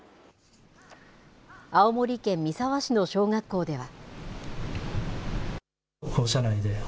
青森県三沢市の小学校では。